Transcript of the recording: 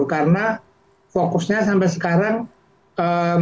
karena fokusnya sampai sekarang belum